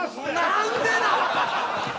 何でなん！？